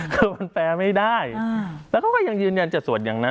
คือมันแปลไม่ได้แล้วเขาก็ยังยืนยันจะสวดอย่างนั้น